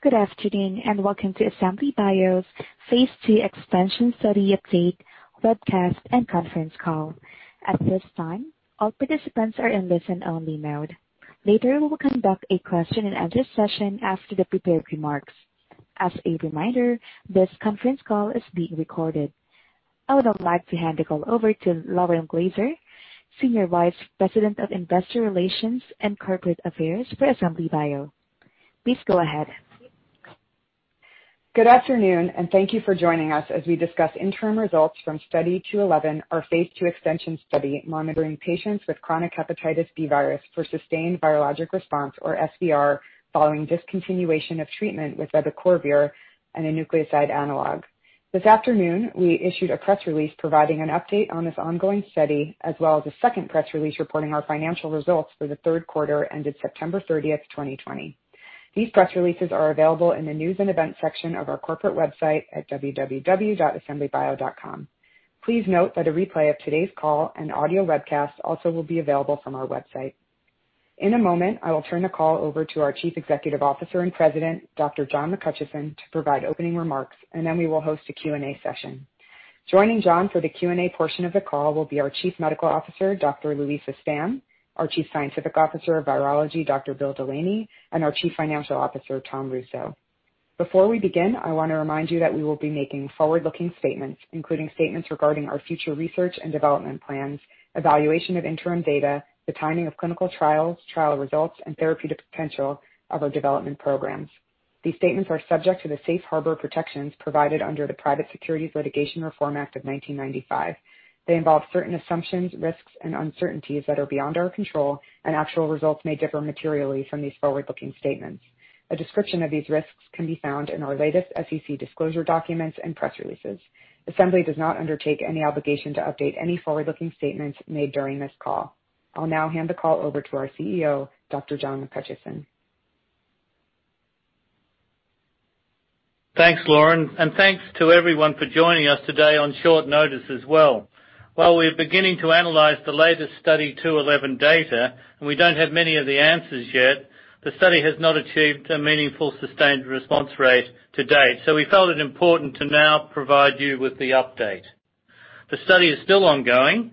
Good afternoon, and welcome to Assembly Bio's phase II expansion study update webcast and conference call. At this time, all participants are in listen-only mode. Later, we will conduct a question and answer session after the prepared remarks. As a reminder, this conference call is being recorded. I would now like to hand the call over to Lauren Glaser, Senior Vice President of Investor Relations and Corporate Affairs for Assembly Bio. Please go ahead. Good afternoon, and thank you for joining us as we discuss interim results from Study 211, our phase II extension study monitoring patients with chronic hepatitis B virus for sustained virologic response, or SVR, following discontinuation of treatment with vebicorvir and a nucleoside analog. This afternoon, we issued a press release providing an update on this ongoing study, as well as a second press release reporting our financial results for the third quarter ended September 30th, 2020. These press releases are available in the news and events section of our corporate website at www.assemblybio.com. Please note that a replay of today's call and audio webcast also will be available from our website. In a moment, I will turn the call over to our Chief Executive Officer and President, Dr. John McHutchison, to provide opening remarks, and then we will host a Q&A session. Joining John for the Q&A portion of the call will be our Chief Medical Officer, Dr. Luisa Stamm, our Chief Scientific Officer of Virology, Dr. Bill Delaney, and our Chief Financial Officer, Tom Russo. Before we begin, I want to remind you that we will be making forward-looking statements, including statements regarding our future research and development plans, evaluation of interim data, the timing of clinical trials, trial results, and therapeutic potential of our development programs. These statements are subject to the Safe Harbor protections provided under the Private Securities Litigation Reform Act of 1995. They involve certain assumptions, risks, and uncertainties that are beyond our control, and actual results may differ materially from these forward-looking statements. A description of these risks can be found in our latest SEC disclosure documents and press releases. Assembly does not undertake any obligation to update any forward-looking statements made during this call. I'll now hand the call over to our CEO, Dr. John McHutchison. Thanks, Lauren, and thanks to everyone for joining us today on short notice as well. While we're beginning to analyze the latest Study 211 data, and we don't have many of the answers yet, the study has not achieved a meaningful sustained response rate to date, so we felt it important to now provide you with the update. The study is still ongoing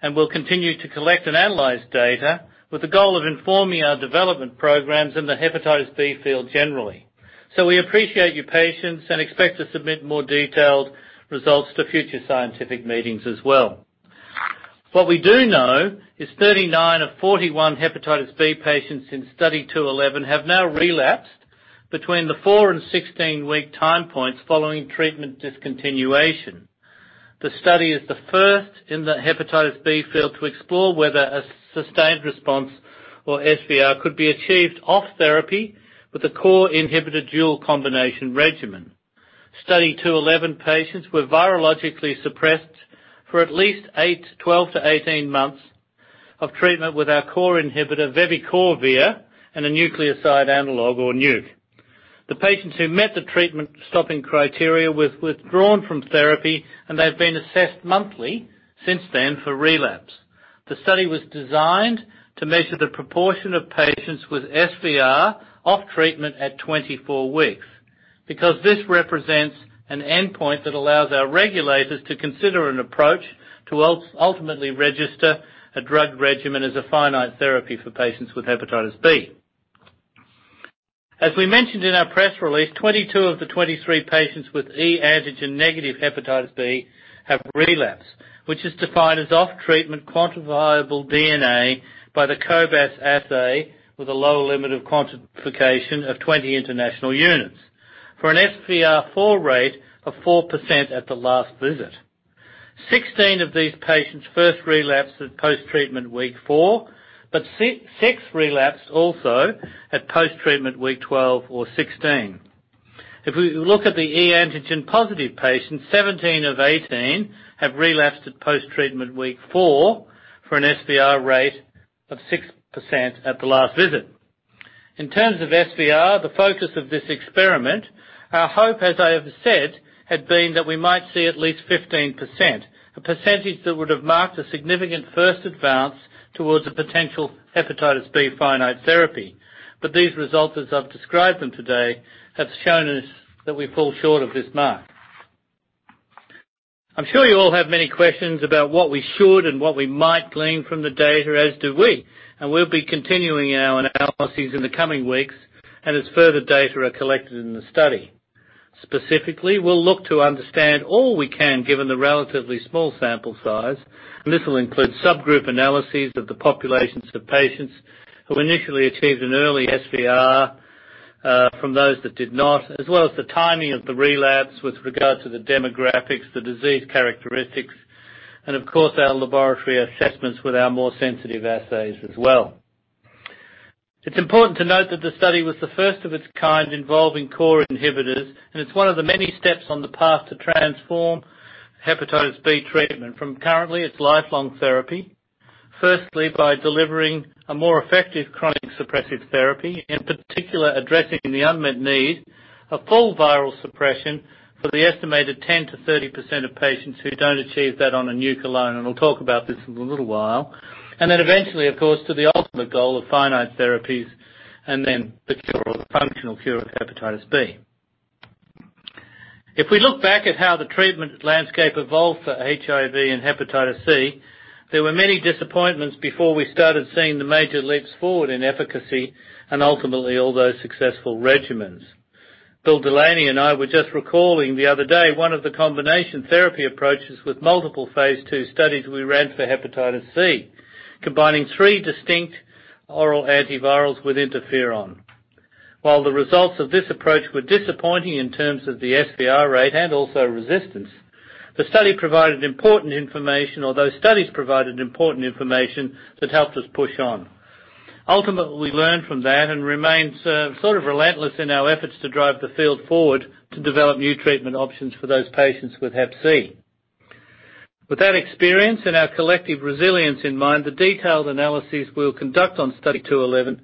and will continue to collect and analyze data with the goal of informing our development programs in the hepatitis B field generally. We appreciate your patience and expect to submit more detailed results to future scientific meetings as well. What we do know is 39 of 41 hepatitis B patients in Study 211 have now relapsed between the four and 16-week time points following treatment discontinuation. The study is the first in the hepatitis B field to explore whether a sustained response or SVR could be achieved off therapy with a core inhibitor dual combination regimen. Study 211 patients were virologically suppressed for at least eight, 12-18 months of treatment with our core inhibitor, vebicorvir, and a nucleoside analog or NUC. The patients who met the treatment stopping criteria were withdrawn from therapy and they've been assessed monthly since then for relapse. The study was designed to measure the proportion of patients with SVR off treatment at 24 weeks because this represents an endpoint that allows our regulators to consider an approach to ultimately register a drug regimen as a finite therapy for patients with hepatitis B. As we mentioned in our press release, 22 of the 23 patients with e-antigen negative hepatitis B have relapsed, which is defined as off-treatment quantifiable DNA by the cobas assay with a low limit of quantification of 20 international units for an SVR 4 rate of 4% at the last visit. 16 of these patients first relapsed at post-treatment week four, but six relapsed also at post-treatment week 12 or 16. If we look at the e-antigen positive patients, 17 of 18 have relapsed at post-treatment week four for an SVR rate of 6% at the last visit. In terms of SVR, the focus of this experiment, our hope, as I have said, had been that we might see at least 15%, a percentage that would have marked a significant first advance towards a potential hepatitis B finite therapy. These results, as I've described them today, have shown us that we fall short of this mark. I'm sure you all have many questions about what we should and what we might glean from the data, as do we, and we'll be continuing our analyses in the coming weeks and as further data are collected in the study. Specifically, we'll look to understand all we can, given the relatively small sample size, and this will include subgroup analyses of the populations of patients who initially achieved an early SVR from those that did not, as well as the timing of the relapse with regard to the demographics, the disease characteristics, and of course, our laboratory assessments with our more sensitive assays as well. It's important to note that the study was the first of its kind involving core inhibitors. It's one of the many steps on the path to transform hepatitis B treatment from currently its lifelong therapy. Firstly, by delivering a more effective chronic suppressive therapy, in particular, addressing the unmet need, a full viral suppression for the estimated 10%-30% of patients who don't achieve that on a NUC alone. We'll talk about this in a little while. Eventually, of course, to the ultimate goal of finite therapies and then the cure or the functional cure of hepatitis B. If we look back at how the treatment landscape evolved for HIV and hepatitis C, there were many disappointments before we started seeing the major leaps forward in efficacy and ultimately all those successful regimens. Bill Delaney and I were just recalling the other day one of the combination therapy approaches with multiple phase II studies we ran for hepatitis C, combining three distinct oral antivirals with interferon. While the results of this approach were disappointing in terms of the SVR rate and also resistance, the study provided important information, or those studies provided important information that helped us push on. Ultimately, we learned from that and remained sort of relentless in our efforts to drive the field forward to develop new treatment options for those patients with hep C. With that experience and our collective resilience in mind, the detailed analyses we'll conduct on Study 211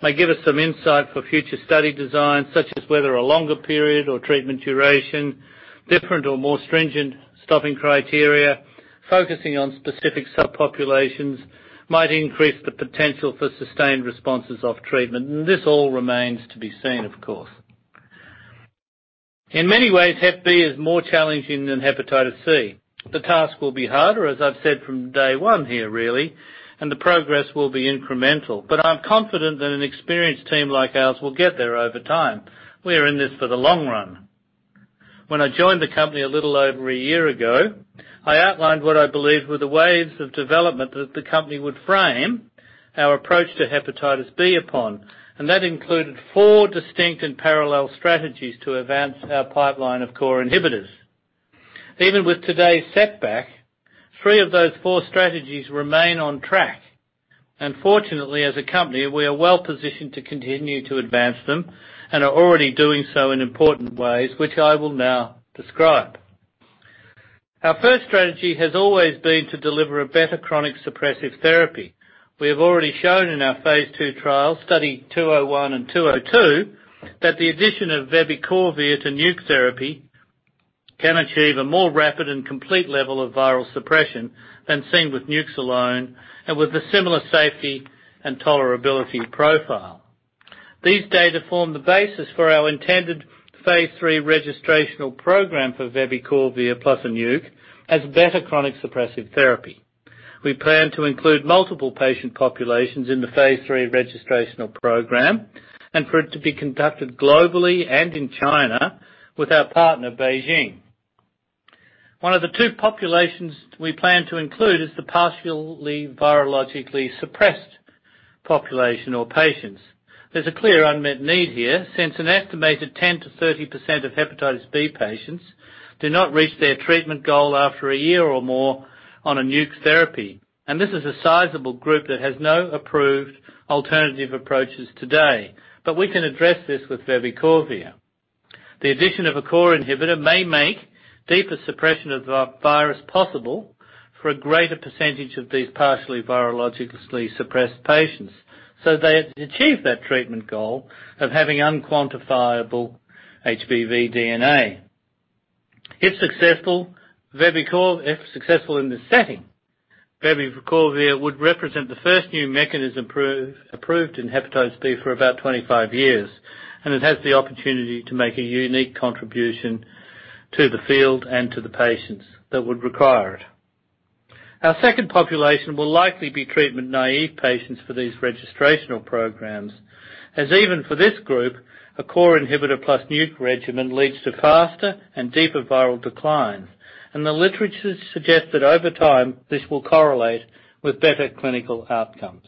may give us some insight for future study designs, such as whether a longer period or treatment duration, different or more stringent stopping criteria, focusing on specific subpopulations might increase the potential for sustained responses off treatment. This all remains to be seen, of course. In many ways, Hep B is more challenging than hepatitis C. The task will be harder, as I've said from day one here, really, and the progress will be incremental. I'm confident that an experienced team like ours will get there over time. We are in this for the long run. When I joined the company a little over a year ago, I outlined what I believed were the waves of development that the company would frame our approach to hepatitis B upon, and that included four distinct and parallel strategies to advance our pipeline of core inhibitors. Even with today's setback, three of those four strategies remain on track. Fortunately, as a company, we are well-positioned to continue to advance them and are already doing so in important ways, which I will now describe. Our first strategy has always been to deliver a better chronic suppressive therapy. We have already shown in our phase II trial, Study 201 and 202, that the addition of vebicorvir to NUC therapy can achieve a more rapid and complete level of viral suppression than seen with NUCs alone and with a similar safety and tolerability profile. These data form the basis for our intended phase III registrational program for vebicorvir plus a NUC as better chronic suppressive therapy. We plan to include multiple patient populations in the phase III registrational program and for it to be conducted globally and in China with our partner, BeiGene. One of the two populations we plan to include is the partially virologically suppressed population or patients. There's a clear unmet need here since an estimated 10%-30% of hepatitis B patients do not reach their treatment goal after a year or more on a NUC therapy. This is a sizable group that has no approved alternative approaches today. We can address this with vebicorvir. The addition of a core inhibitor may make deeper suppression of the virus possible for a greater percentage of these partially virologically suppressed patients so they achieve that treatment goal of having unquantifiable HBV DNA. If successful in this setting, vebicorvir would represent the first new mechanism approved in hepatitis B for about 25 years, and it has the opportunity to make a unique contribution to the field and to the patients that would require it. Our second population will likely be treatment-naive patients for these registrational programs, as even for this group, a core inhibitor plus NUC regimen leads to faster and deeper viral declines, and the literature suggests that over time, this will correlate with better clinical outcomes.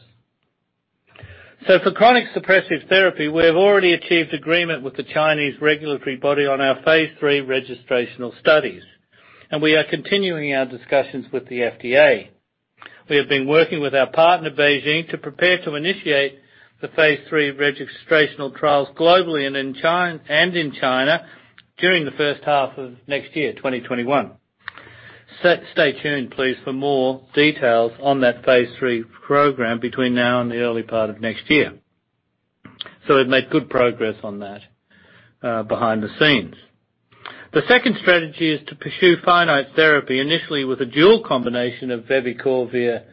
For chronic suppressive therapy, we have already achieved agreement with the Chinese regulatory body on our phase III registrational studies, and we are continuing our discussions with the FDA. We have been working with our partner, BeiGene, to prepare to initiate the phase III registrational trials globally and in China during the first half of next year, 2021. Stay tuned, please, for more details on that phase III program between now and the early part of next year. We've made good progress on that behind the scenes. The second strategy is to pursue finite therapy, initially with a dual combination of vebicorvir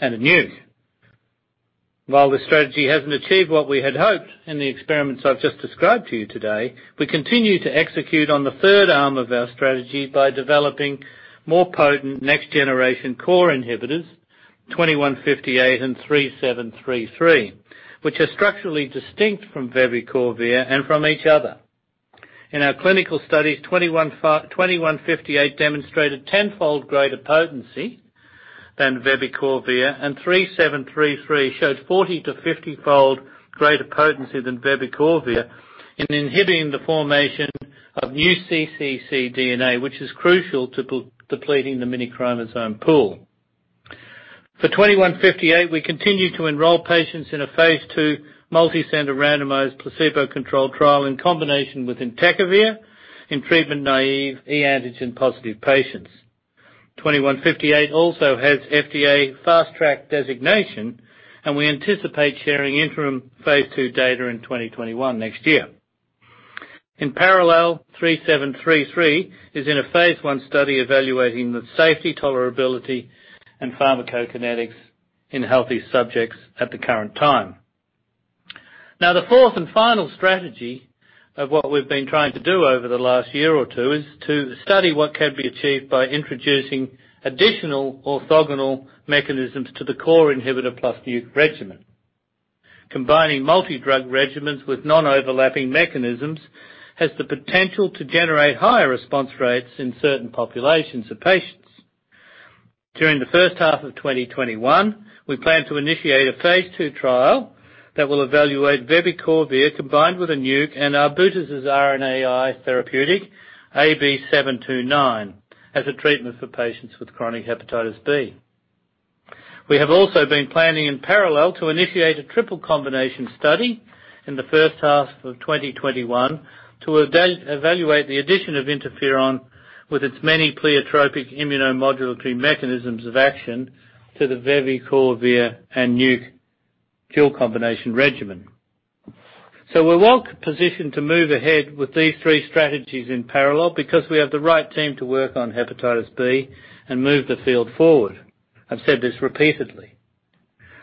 and a NUC. While this strategy hasn't achieved what we had hoped in the experiments I've just described to you today, we continue to execute on the third arm of our strategy by developing more potent next-generation core inhibitors, ABI-H2158 and ABI-H3733, which are structurally distinct from vebicorvir and from each other. In our clinical studies, ABI-H2158 demonstrated 10-fold greater potency than vebicorvir, and ABI-H3733 showed 40- to 50-fold greater potency than vebicorvir in inhibiting the formation of new cccDNA, which is crucial to depleting the minichromosome pool. For ABI-H2158, we continue to enroll patients in a phase II multicenter randomized placebo-controlled trial in combination with entecavir in treatment-naive e-antigen-positive patients. ABI-H2158 also has FDA Fast Track designation. We anticipate sharing interim phase II data in 2021, next year. In parallel, ABI-H3733 is in a phase I study evaluating the safety, tolerability, and pharmacokinetics in healthy subjects at the current time. The fourth and final strategy of what we've been trying to do over the last year or two is to study what can be achieved by introducing additional orthogonal mechanisms to the core inhibitor plus NUC regimen. Combining multi-drug regimens with non-overlapping mechanisms has the potential to generate higher response rates in certain populations of patients. During the first half of 2021, we plan to initiate a phase II trial that will evaluate vebicorvir combined with a NUC and Arbutus' RNAi therapeutic AB-729 as a treatment for patients with chronic hepatitis B. We have also been planning in parallel to initiate a triple combination study in the first half of 2021 to evaluate the addition of interferon with its many pleiotropic immunomodulatory mechanisms of action to the vebicorvir and NUC dual combination regimen. We're well-positioned to move ahead with these three strategies in parallel because we have the right team to work on hepatitis B and move the field forward. I've said this repeatedly.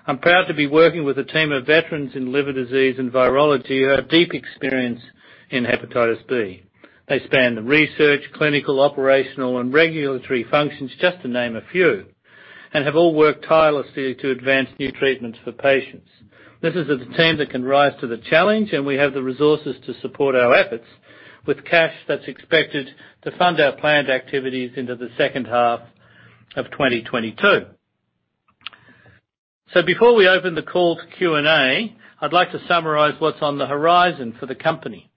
I'm proud to be working with a team of veterans in liver disease and virology who have deep experience in hepatitis B. They span the research, clinical, operational, and regulatory functions, just to name a few, and have all worked tirelessly to advance new treatments for patients. This is a team that can rise to the challenge, and we have the resources to support our efforts with cash that's expected to fund our planned activities into the second half of 2022. Before we open the call to Q&A, I'd like to summarize what's on the horizon for the company.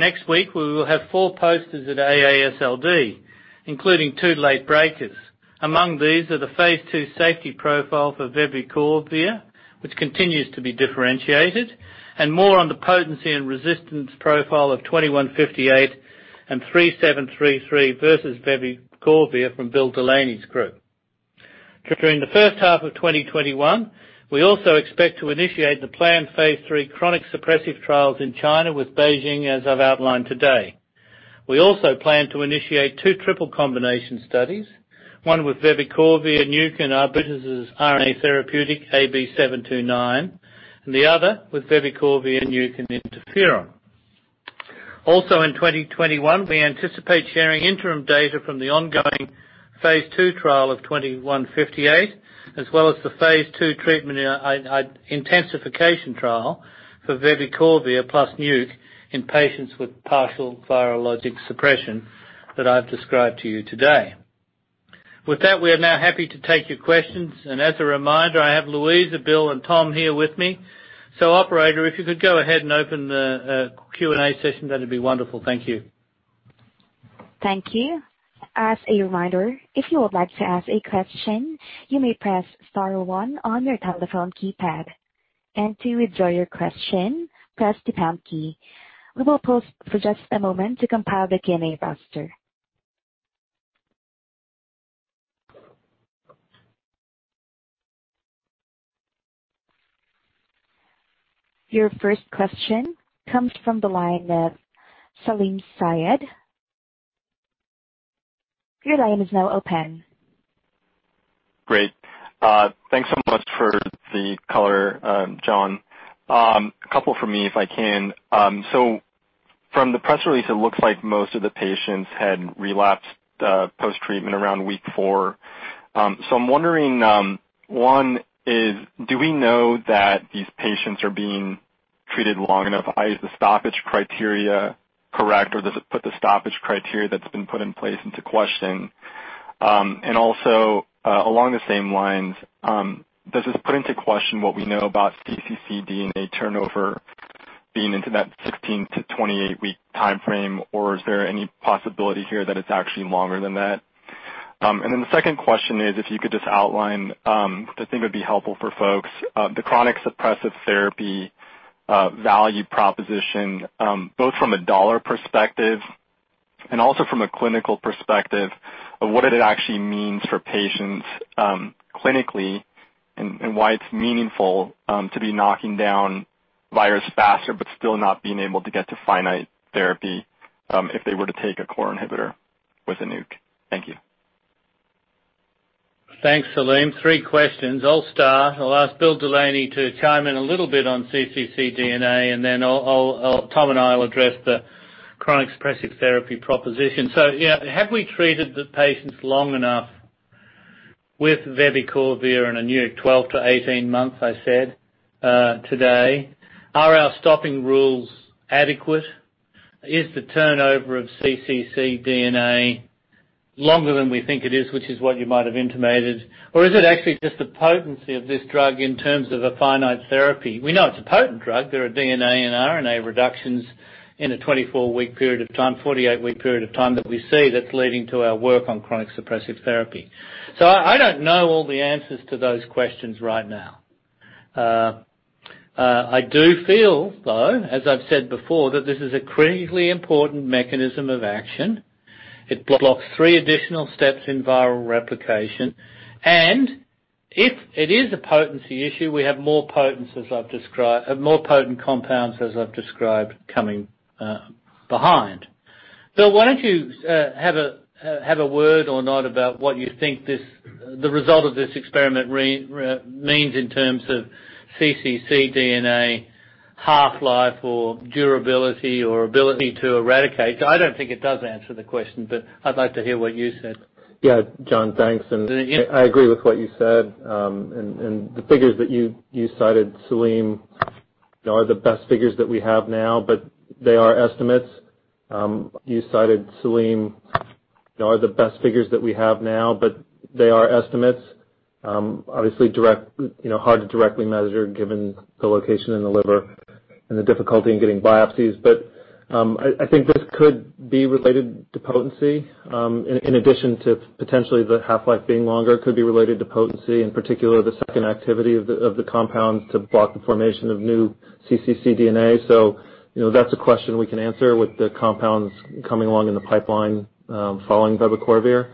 Next week, we will have four posters at AASLD, including two late breakers. Among these are the phase II safety profile for vebicorvir, which continues to be differentiated, and more on the potency and resistance profile of ABI-H2158 and ABI-H3733 versus vebicorvir from Bill Delaney's group. During the first half of 2021, we also expect to initiate the planned phase III chronic suppressive trials in China with BeiGene, as I've outlined today. We also plan to initiate two triple combination studies, one with vebicorvir, NUC, and Arbutus' RNAi therapeutic AB-729, and the other with vebicorvir, NUC, and interferon. In 2021, we anticipate sharing interim data from the ongoing phase II trial of ABI-H2158, as well as the phase II treatment intensification trial for vebicorvir plus NUC in patients with partial virologic suppression that I've described to you today. With that, we are now happy to take your questions, and as a reminder, I have Luisa, Bill, and Tom here with me. Operator, if you could go ahead and open the Q&A session, that'd be wonderful. Thank you. Thank you. As a reminder, if you would like to ask a question, you may press star one on your telephone keypad, and to withdraw your question, press the pound key. We will pause for just a moment to compile the Q&A roster. Your first question comes from the line of Salim Syed. Your line is now open. Great. Thanks so much for the color, John. A couple from me, if I can. From the press release, it looks like most of the patients had relapsed post-treatment around week four. I'm wondering, one is, do we know that these patients are being treated long enough? Is the stoppage criteria correct, or does it put the stoppage criteria that's been put in place into question? Also, along the same lines, does this put into question what we know about cccDNA turnover being into that 16 to 28 week timeframe, or is there any possibility here that it's actually longer than that? The second question is, if you could just outline, because I think it'd be helpful for folks, the chronic suppressive therapy value proposition, both from a dollar perspective and also from a clinical perspective of what it actually means for patients, clinically and why it's meaningful, to be knocking down virus faster but still not being able to get to finite therapy, if they were to take a core inhibitor with a NUC. Thank you. Thanks, Salim. Three questions. I'll start. I'll ask Bill Delaney to chime in a little bit on cccDNA, and then Tom and I will address the chronic suppressive therapy proposition. Have we treated the patients long enough with vebicorvir and a NUC 12 to 18 months, I said today? Are our stopping rules adequate? Is the turnover of cccDNA longer than we think it is, which is what you might have intimated, or is it actually just the potency of this drug in terms of a finite therapy? We know it's a potent drug. There are DNA and RNA reductions in a 24-week period of time, 48-week period of time that we see that's leading to our work on chronic suppressive therapy. I don't know all the answers to those questions right now. I do feel, though, as I've said before, that this is a critically important mechanism of action. It blocks three additional steps in viral replication. If it is a potency issue, we have more potent compounds as I've described coming behind. Bill, why don't you have a word or not about what you think the result of this experiment means in terms of cccDNA half-life or durability or ability to eradicate? I don't think it does answer the question, but I'd like to hear what you said. John, thanks. I agree with what you said. The figures that you cited, Salim, are the best figures that we have now, but they are estimates. You cited, Salim, are the best figures that we have now, but they are estimates, obviously, hard to directly measure given the location in the liver and the difficulty in getting biopsies. I think this could be related to potency in addition to potentially the half-life being longer, in particular the second activity of the compounds to block the formation of new cccDNA. That's a question we can answer with the compounds coming along in the pipeline following vebicorvir.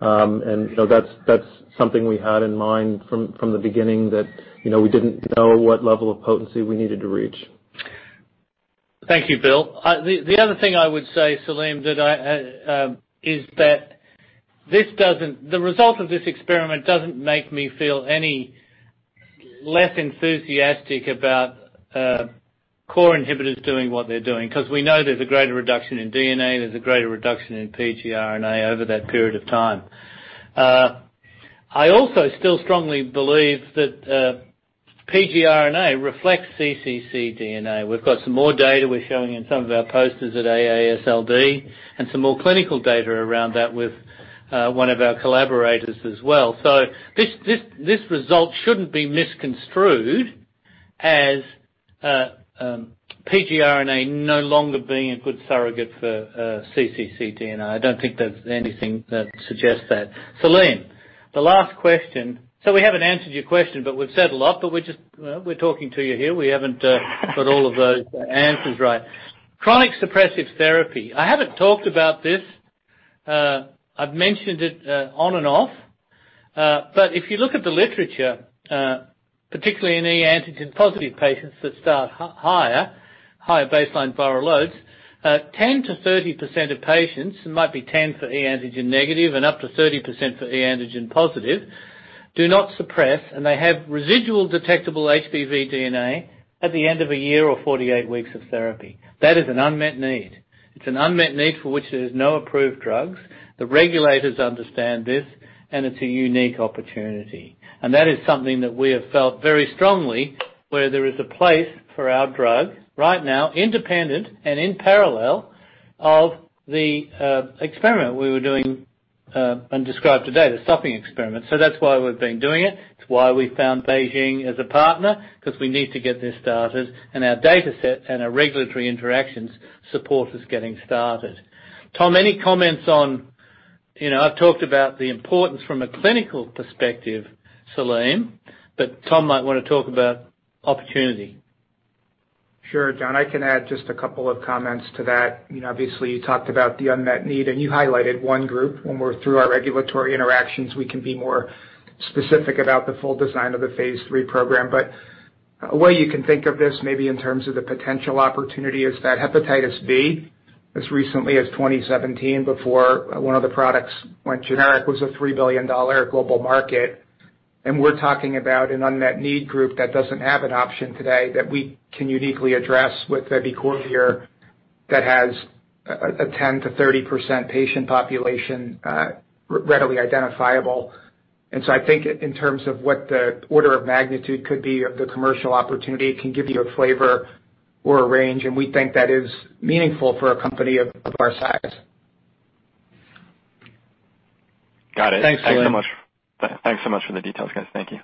That's something we had in mind from the beginning that we didn't know what level of potency we needed to reach. Thank you, Bill. The other thing I would say, Salim, is that the result of this experiment doesn't make me feel any less enthusiastic about core inhibitors doing what they're doing because we know there's a greater reduction in DNA, there's a greater reduction in pgRNA over that period of time. I also still strongly believe that pgRNA reflects cccDNA. We've got some more data we're showing in some of our posters at AASLD and some more clinical data around that with one of our collaborators as well. This result shouldn't be misconstrued as pgRNA no longer being a good surrogate for cccDNA. I don't think there's anything that suggests that. Salim, the last question. We haven't answered your question, but we've said a lot, but we're talking to you here. We haven't got all of those answers right. Chronic suppressive therapy. I haven't talked about this. I've mentioned it on and off. If you look at the literature, particularly in e-antigen positive patients that start higher baseline viral loads, 10%-30% of patients, it might be 10% for e-antigen negative and up to 30% for e-antigen positive, do not suppress, and they have residual detectable HBV DNA at the end of one year or 48 weeks of therapy. That is an unmet need. It's an unmet need for which there's no approved drugs. The regulators understand this, and it's a unique opportunity. That is something that we have felt very strongly, where there is a place for our drug right now, independent and in parallel of the experiment we were doing and described today, the stopping experiment. That's why we've been doing it. It's why we found BeiGene as a partner, because we need to get this started, and our data set and our regulatory interactions support us getting started. Tom, I've talked about the importance from a clinical perspective, Salim, but Tom might want to talk about opportunity. Sure, John. I can add just a couple of comments to that. Obviously, you talked about the unmet need, and you highlighted one group. When we're through our regulatory interactions, we can be more specific about the full design of the phase III program. A way you can think of this maybe in terms of the potential opportunity is that hepatitis B, as recently as 2017, before one of the products went generic, was a $3 billion global market. We're talking about an unmet need group that doesn't have an option today that we can uniquely address with vebicorvir that has a 10%-30% patient population readily identifiable. I think in terms of what the order of magnitude could be of the commercial opportunity, it can give you a flavor or a range, and we think that is meaningful for a company of our size. Got it. Thanks, Salim. Thanks so much for the details, guys. Thank you.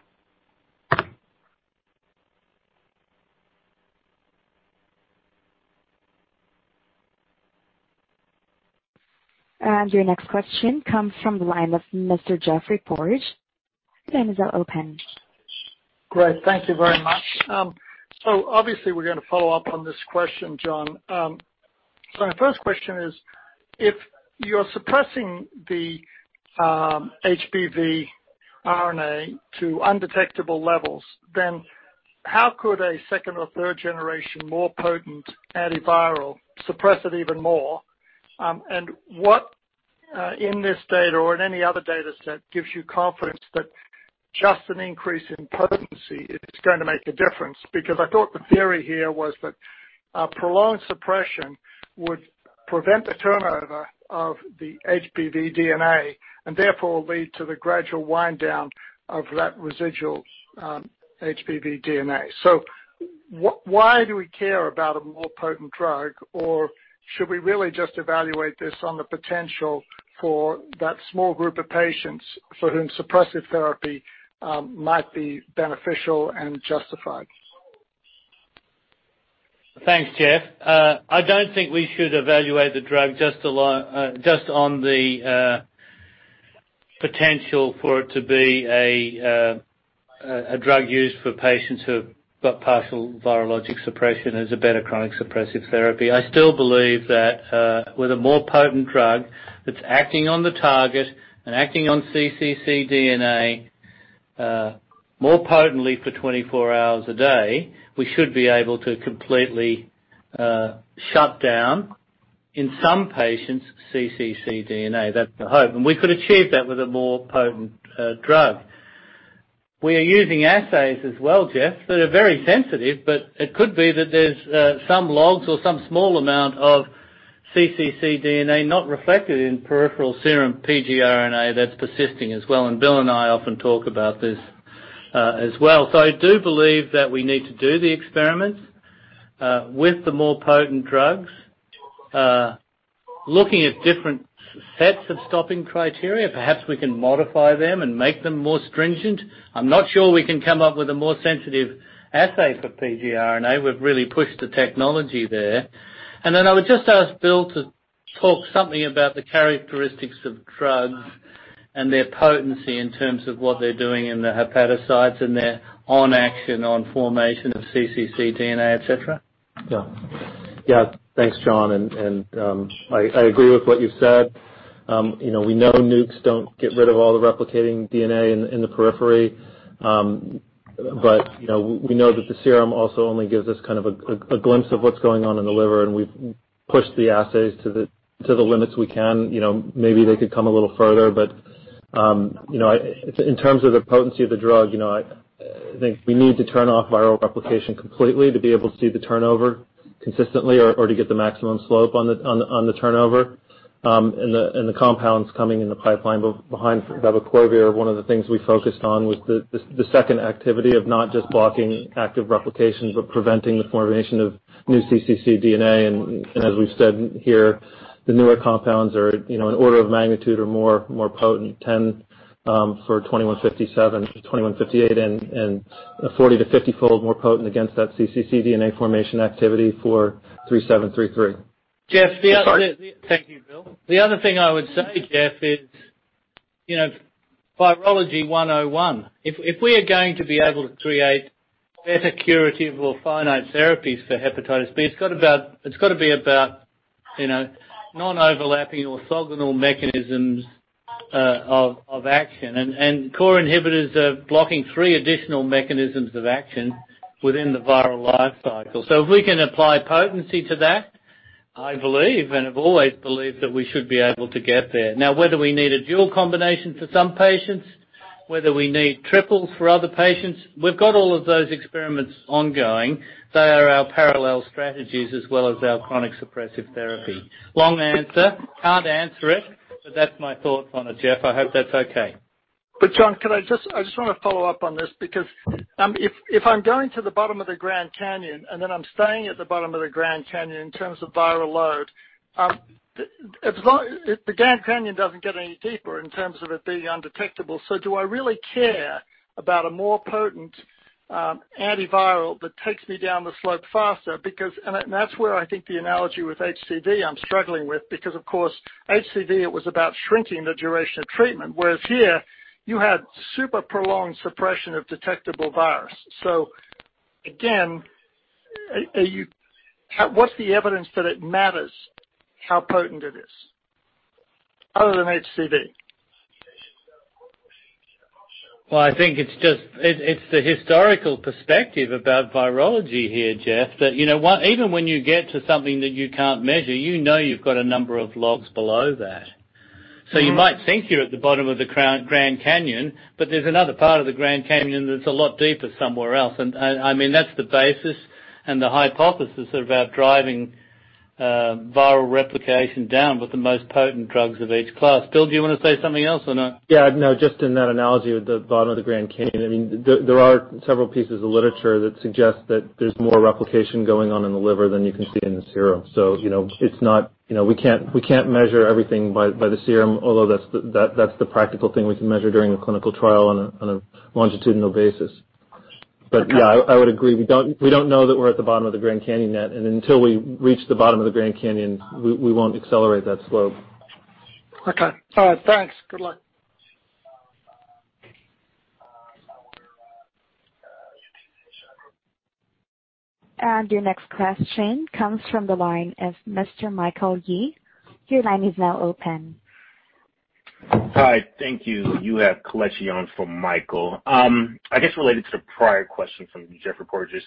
Your next question comes from the line of Mr. Geoffrey Porges. Great. Thank you very much. Obviously, we're going to follow up on this question, John. My first question is, if you're suppressing the HBV RNA to undetectable levels, then how could a second or third generation more potent antiviral suppress it even more? What in this data or in any other data set gives you confidence that just an increase in potency is going to make a difference? I thought the theory here was that a prolonged suppression would prevent the turnover of the HBV DNA and therefore lead to the gradual wind down of that residual HBV DNA. Why do we care about a more potent drug? Should we really just evaluate this on the potential for that small group of patients for whom suppressive therapy might be beneficial and justified? Thanks, Geoff. I don't think we should evaluate the drug just on the potential for it to be a drug used for patients who've got partial virologic suppression as a better chronic suppressive therapy. I still believe that with a more potent drug that's acting on the target and acting on cccDNA more potently for 24 hours a day, we should be able to completely shut down, in some patients, cccDNA. That's the hope. We could achieve that with a more potent drug. We are using assays as well, Geoff, that are very sensitive, but it could be that there's some logs or some small amount of cccDNA not reflected in peripheral serum pgRNA that's persisting as well. Bill and I often talk about this as well. I do believe that we need to do the experiments with the more potent drugs, looking at different sets of stopping criteria. Perhaps we can modify them and make them more stringent. I'm not sure we can come up with a more sensitive assay for pgRNA. We've really pushed the technology there. Then I would just ask Bill to talk something about the characteristics of drugs and their potency in terms of what they're doing in the hepatocytes and their on action on formation of cccDNA, et cetera. Yeah. Thanks, John. I agree with what you've said. We know NUCs don't get rid of all the replicating DNA in the periphery. We know that the serum also only gives us a glimpse of what's going on in the liver, and we've pushed the assays to the limits we can. Maybe they could come a little further, but in terms of the potency of the drug, I think we need to turn off viral replication completely to be able to see the turnover consistently or to get the maximum slope on the turnover. The compounds coming in the pipeline behind vebicorvir, one of the things we focused on was the second activity of not just blocking active replications, but preventing the formation of new cccDNA, and as we've said here, the newer compounds are in order of magnitude or more potent, 10 for ABI-H2157, ABI-H2158, and 40-50 fold more potent against that cccDNA formation activity for ABI-H3733. Geoff, I'm sorry. Thank you, Bill. The other thing I would say, Geoff, is virology 101. If we are going to be able to create better curative or finite therapies for hepatitis B, it's got to be about non-overlapping orthogonal mechanisms of action. Core inhibitors are blocking three additional mechanisms of action within the viral life cycle. If we can apply potency to that, I believe, and I've always believed that we should be able to get there. Whether we need a dual combination for some patients, whether we need triples for other patients, we've got all of those experiments ongoing. They are our parallel strategies as well as our chronic suppressive therapy. Long answer. Can't answer it, but that's my thoughts on it, Geoff. I hope that's okay. John, I just want to follow up on this because if I'm going to the bottom of the Grand Canyon and then I'm staying at the bottom of the Grand Canyon in terms of viral load, the Grand Canyon doesn't get any deeper in terms of it being undetectable, so do I really care about a more potent antiviral that takes me down the slope faster? That's where I think the analogy with HCV I'm struggling with, because of course, HCV, it was about shrinking the duration of treatment, whereas here, you had super prolonged suppression of detectable virus. Again, what's the evidence that it matters how potent it is other than HCV? Well, I think it's the historical perspective about virology here, Geoff, that even when you get to something that you can't measure, you know you've got a number of logs below that. You might think you're at the bottom of the Grand Canyon, but there's another part of the Grand Canyon that's a lot deeper somewhere else. I mean, that's the basis and the hypothesis of our driving viral replication down with the most potent drugs of each class. Bill, do you want to say something else or no? Yeah, no, just in that analogy with the bottom of the Grand Canyon, there are several pieces of literature that suggest that there's more replication going on in the liver than you can see in the serum. We can't measure everything by the serum, although that's the practical thing we can measure during a clinical trial on a longitudinal basis. Yeah, I would agree, we don't know that we're at the bottom of the Grand Canyon yet, and until we reach the bottom of the Grand Canyon, we won't accelerate that slope. Okay. All right, thanks. Good luck. Your next question comes from the line of Mr. Michael Yee. Your line is now open. Hi, thank you. You have [Kaleh Shiyon] for Michael. I guess related to the prior question from Geoffrey Porges.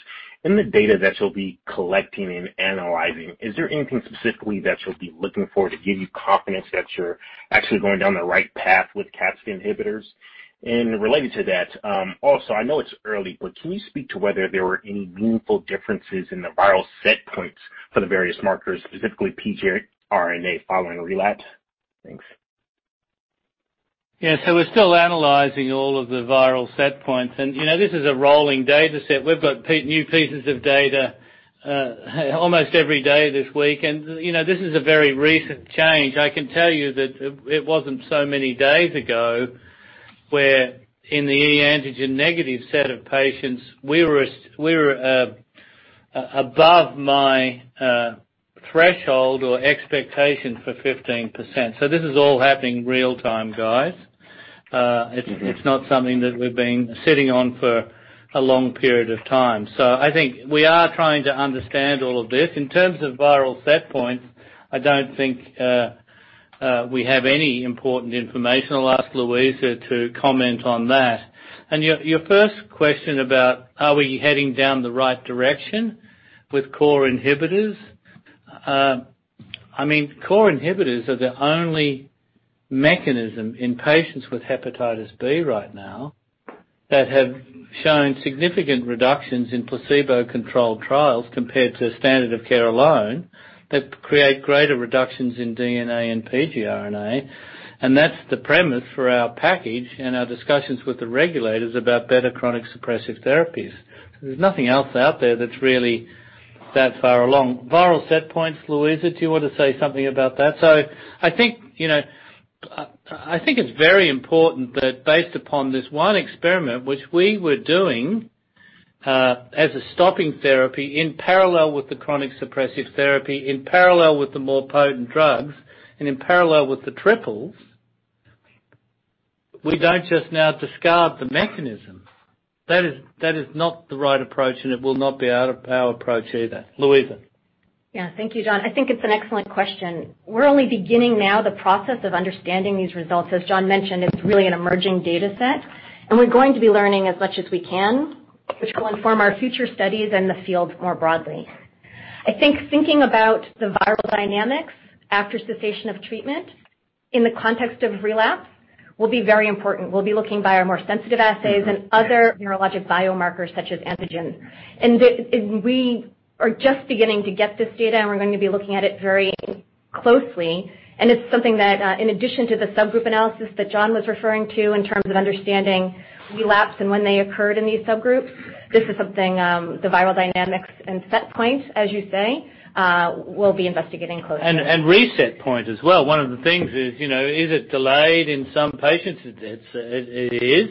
In the data that you'll be collecting and analyzing, is there anything specifically that you'll be looking for to give you confidence that you're actually going down the right path with capsid inhibitors? Related to that, also, I know it's early, but can you speak to whether there were any meaningful differences in the viral set points for the various markers, specifically pgRNA, following a relapse? Thanks. Yeah. We're still analyzing all of the viral set points, and this is a rolling data set. We've got new pieces of data almost every day this week, and this is a very recent change. I can tell you that it wasn't so many days ago where in the e-antigen negative set of patients, we were above my threshold or expectation for 15%. This is all happening real time, guys. It's not something that we've been sitting on for a long period of time. I think we are trying to understand all of this. In terms of viral set points, I don't think we have any important information. I'll ask Luisa to comment on that. Your first question about are we heading down the right direction with core inhibitors. Core inhibitors are the only mechanism in patients with hepatitis B right now that have shown significant reductions in placebo-controlled trials compared to standard of care alone, that create greater reductions in DNA and pgRNA, and that's the premise for our package and our discussions with the regulators about better chronic suppressive therapies. There's nothing else out there that's really that far along. Viral set points, Luisa, do you want to say something about that? I think it's very important that based upon this one experiment, which we were doing as a stopping therapy in parallel with the chronic suppressive therapy, in parallel with the more potent drugs, and in parallel with the triples, we don't just now discard the mechanisms. That is not the right approach, and it will not be our approach either. Luisa? Yeah. Thank you, John. I think it's an excellent question. We're only beginning now the process of understanding these results. As John mentioned, it's really an emerging data set, and we're going to be learning as much as we can, which will inform our future studies and the field more broadly. I think thinking about the viral dynamics after cessation of treatment in the context of relapse will be very important. We'll be looking via more sensitive assays and other virologic biomarkers such as antigens. We are just beginning to get this data, and we're going to be looking at it very closely, and it's something that, in addition to the subgroup analysis that John was referring to in terms of understanding relapse and when they occurred in these subgroups, this is something, the viral dynamics and set point, as you say, we'll be investigating closely. Reset point as well. One of the things is it delayed in some patients? It is.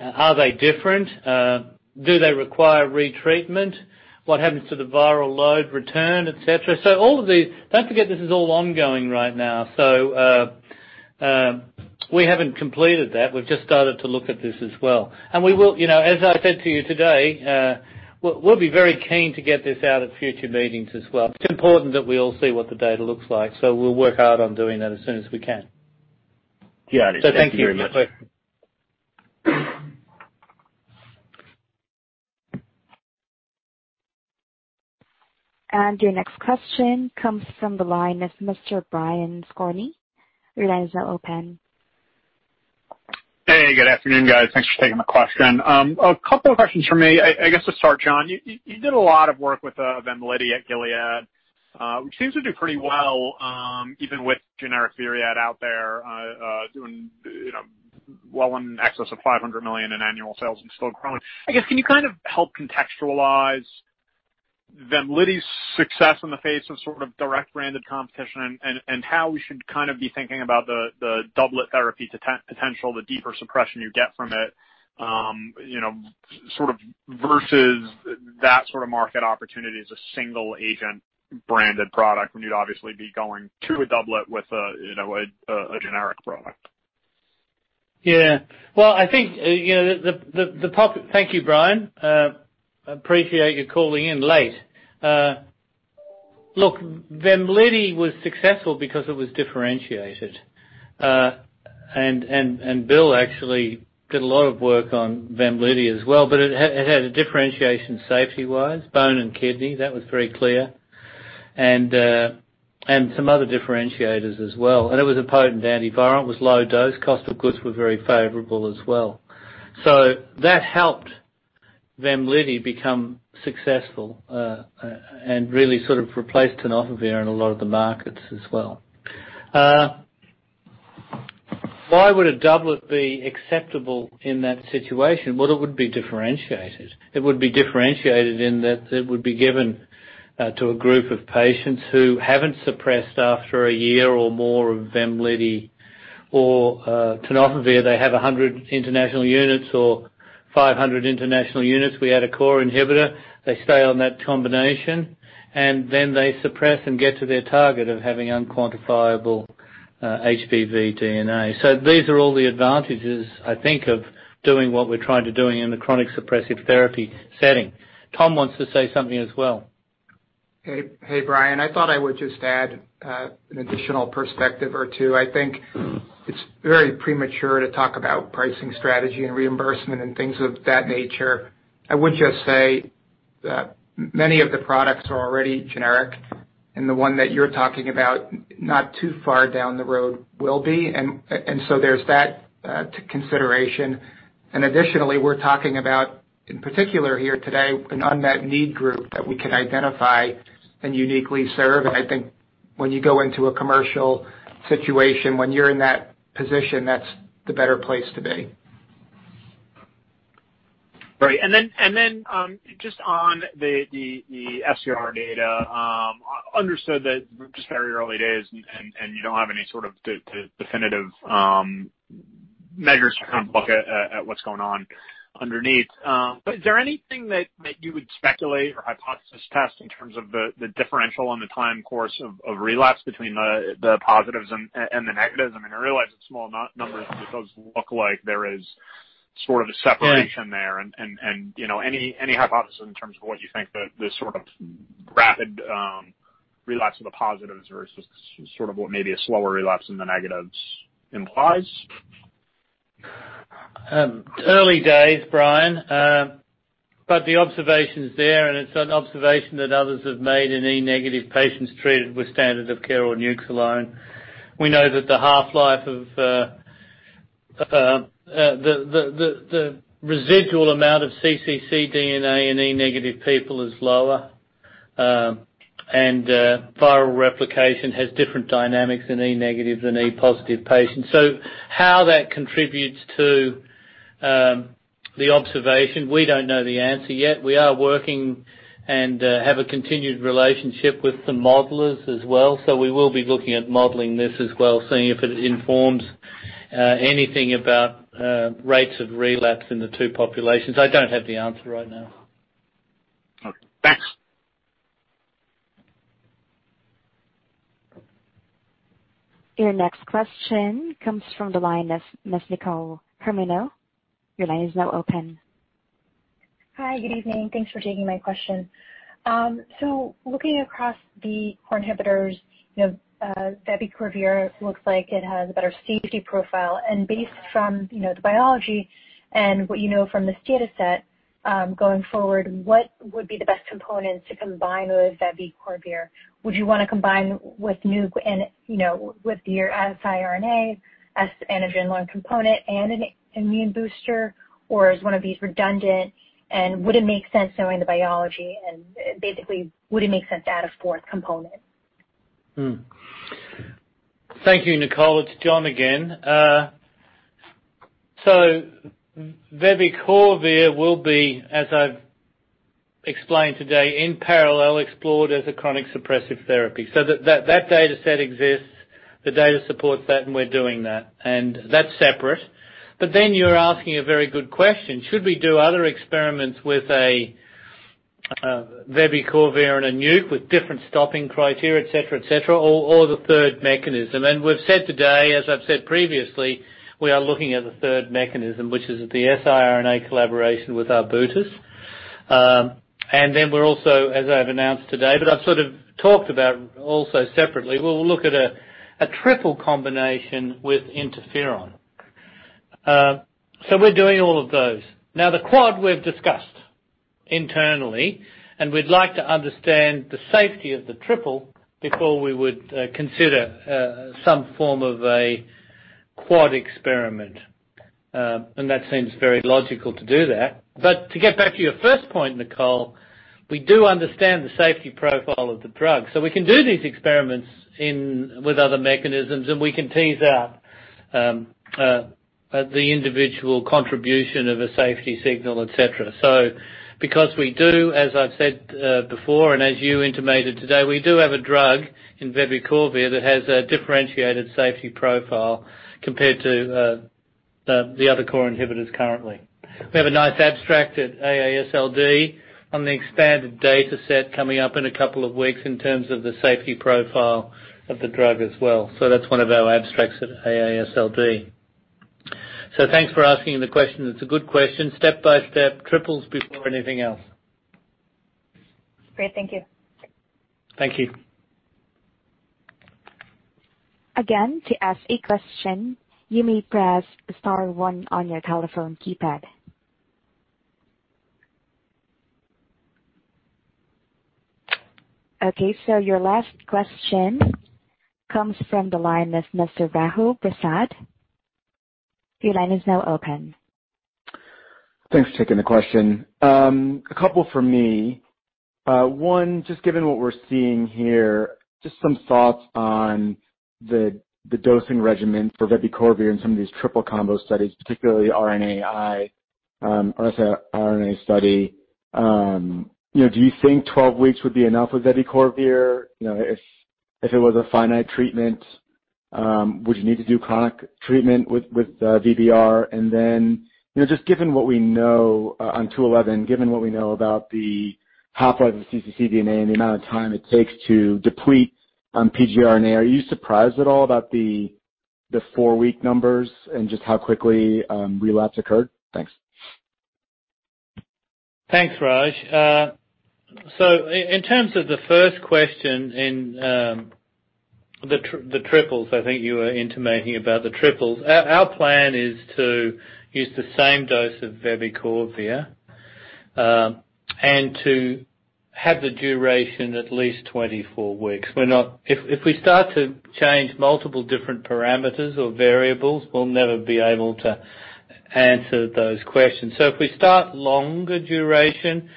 Are they different? Do they require retreatment? What happens to the viral load return, et cetera? Don't forget this is all ongoing right now. We haven't completed that. We've just started to look at this as well. As I said to you today, we'll be very keen to get this out at future meetings as well. It's important that we all see what the data looks like, so we'll work hard on doing that as soon as we can. Got it. Thank you very much. Thank you. And your next question comes from the line of Mr. Brian Skorney, your line is now open. Hey, good afternoon, guys. Thanks for taking my question. A couple of questions from me. I guess to start, John, you did a lot of work with VEMLIDY at Gilead, which seems to do pretty well, even with generic VIREAD out there, doing well in excess of $500 million in annual sales and still growing. I guess, can you help contextualize VEMLIDY's success in the face of sort of direct branded competition and how we should be thinking about the doublet therapy potential, the deeper suppression you get from it, versus that sort of market opportunity as a single agent branded product when you'd obviously be going to a doublet with a generic product? Thank you, Brian. Appreciate you calling in late. Look, VEMLIDY was successful because it was differentiated. Bill actually did a lot of work on VEMLIDY as well, but it had a differentiation safety-wise, bone and kidney, that was very clear, and some other differentiators as well. It was a potent antiviral, it was low dose, cost of goods were very favorable as well. That helped VEMLIDY become successful, and really sort of replaced tenofovir in a lot of the markets as well. Why would a doublet be acceptable in that situation? Well, it would be differentiated. It would be differentiated in that it would be given to a group of patients who haven't suppressed after a year or more of VEMLIDY or tenofovir. They have 100 international units or 500 international units. We add a core inhibitor, they stay on that combination, and then they suppress and get to their target of having unquantifiable HBV DNA. These are all the advantages, I think, of doing what we're trying to doing in the chronic suppressive therapy setting. Tom wants to say something as well. Hey, Brian. I thought I would just add an additional perspective or two. I think it's very premature to talk about pricing strategy and reimbursement and things of that nature. I would just say that many of the products are already generic, and the one that you're talking about, not too far down the road will be, and so there's that consideration. Additionally, we're talking about, in particular here today, an unmet need group that we can identify and uniquely serve. I think when you go into a commercial situation, when you're in that position, that's the better place to be. Right. Just on the SVR data, understood that just very early days and you don't have any sort of definitive measures to kind of look at what's going on underneath. Is there anything that you would speculate or hypothesis test in terms of the differential and the time course of relapse between the positives and the negatives? I mean, I realize it's small numbers, but it does look like there is sort of a separation there and any hypothesis in terms of what you think the sort of rapid relapse of the positives versus sort of what may be a slower relapse in the negatives implies? Early days, Brian, but the observation's there, and it's an observation that others have made in e negative patients treated with standard of care or NUCs alone. We know that the half-life of the residual amount of cccDNA in e negative people is lower, and viral replication has different dynamics in e negative than e positive patients. How that contributes to the observation, we don't know the answer yet. We are working and have a continued relationship with some modelers as well. We will be looking at modeling this as well, seeing if it informs anything about rates of relapse in the two populations. I don't have the answer right now. Okay. Thanks. Your next question comes from the line of Nicole Germano. Your line is now open. Hi. Good evening. Thanks for taking my question. Looking across the core inhibitors, vebicorvir looks like it has a better safety profile and based from the biology and what you know from this data set, going forward, what would be the best components to combine with vebicorvir? Would you want to combine with NUC and with your siRNA as an immune component and an immune booster? Or is one of these redundant, and would it make sense knowing the biology, and basically, would it make sense to add a fourth component? Thank you, Nicole. It's John again. Vebicorvir will be, as I've explained today, in parallel, explored as a chronic suppressive therapy. That data set exists, the data supports that, and we're doing that. That's separate. You're asking a very good question. Should we do other experiments with a vebicorvir and a NUC with different stopping criteria, et cetera, or the third mechanism? We've said today, as I've said previously, we are looking at the third mechanism, which is the siRNA collaboration with Arbutus. We're also, as I've announced today, but I've sort of talked about also separately, we'll look at a triple combination with interferon. We're doing all of those. The quad we've discussed internally, and we'd like to understand the safety of the triple before we would consider some form of a quad experiment. That seems very logical to do that. To get back to your first point, Nicole, we do understand the safety profile of the drug. We can do these experiments with other mechanisms, and we can tease out the individual contribution of a safety signal, et cetera. Because we do, as I've said before, and as you intimated today, we do have a drug in vebicorvir that has a differentiated safety profile compared to the other core inhibitors currently. We have a nice abstract at AASLD on the expanded data set coming up in a couple of weeks in terms of the safety profile of the drug as well. That's one of our abstracts at AASLD. Thanks for asking the question. It's a good question. Step by step, triples before anything else. Great. Thank you. Thank you. Again, to ask a question, you may press star one on your telephone keypad. Okay, your last question comes from the line of Mr. Rahul Prasad. Your line is now open. Thanks for taking the question. A couple for me. Just given what we're seeing here, just some thoughts on the dosing regimen for vebicorvir in some of these triple combo studies, particularly RNAi, or I say, RNA study. Do you think 12 weeks would be enough with vebicorvir? If it was a finite treatment, would you need to do chronic treatment with VBR? Just given what we know on Study 211, given what we know about the half-life of cccDNA and the amount of time it takes to deplete pgRNA, are you surprised at all about the four-week numbers and just how quickly relapse occurred? Thanks. Thanks, Raj. In terms of the first question in the triples, I think you were intimating about the triples. Our plan is to use the same dose of vebicorvir, and to have the duration at least 24 weeks. If we start to change multiple different parameters or variables, we'll never be able to answer those questions. If we start longer duration,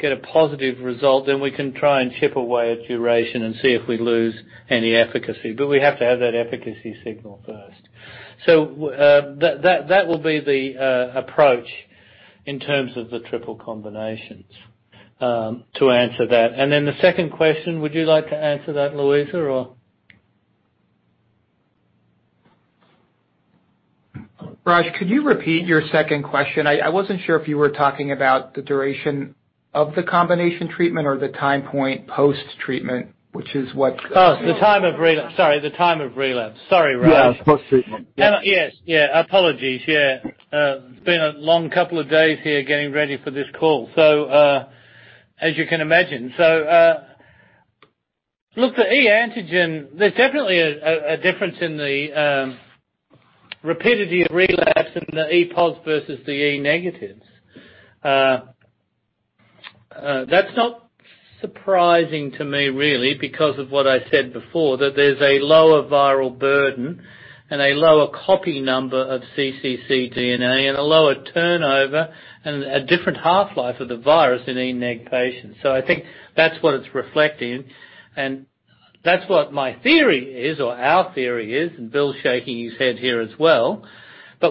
get a positive result, then we can try and chip away at duration and see if we lose any efficacy. We have to have that efficacy signal first. That will be the approach in terms of the triple combinations to answer that. Then the second question, would you like to answer that, Luisa or? Raj, could you repeat your second question? I wasn't sure if you were talking about the duration of the combination treatment or the time point post-treatment, which is what. Oh, the time of relapse. Sorry, the time of relapse. Sorry, Raj. Yeah, post-treatment. Yes. Yeah. Apologies. Yeah. It's been a long couple of days here getting ready for this call, as you can imagine. Look, the e-antigen, there's definitely a difference in the rapidity of relapse in the e pos versus the e negatives. That's not surprising to me, really, because of what I said before, that there's a lower viral burden and a lower copy number of cccDNA and a lower turnover and a different half-life of the virus in e-neg patients. I think that's what it's reflecting, and that's what my theory is or our theory is, and Bill's shaking his head here as well.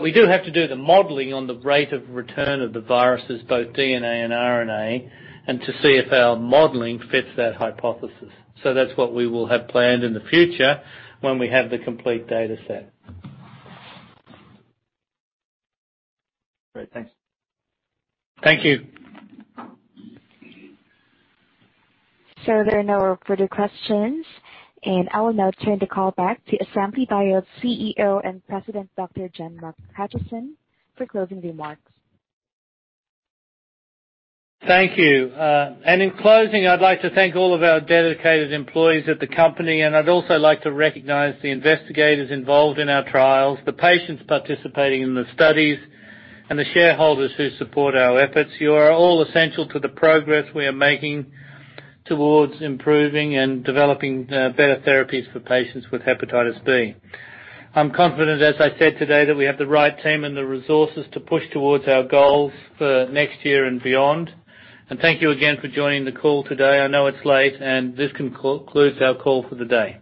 We do have to do the modeling on the rate of return of the viruses, both DNA and RNA, and to see if our modeling fits that hypothesis. That's what we will have planned in the future when we have the complete data set. Great. Thanks. Thank you. There are no further questions, and I will now turn the call back to Assembly Bio's CEO and President, Dr. John McHutchison, for closing remarks. Thank you. In closing, I'd like to thank all of our dedicated employees at the company, and I'd also like to recognize the investigators involved in our trials, the patients participating in the studies, and the shareholders who support our efforts. You are all essential to the progress we are making towards improving and developing better therapies for patients with hepatitis B. I'm confident, as I said today, that we have the right team and the resources to push towards our goals for next year and beyond. Thank you again for joining the call today. I know it's late, and this concludes our call for the day.